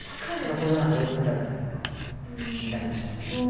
そういう追い詰められた夢は見たりはしますけどね。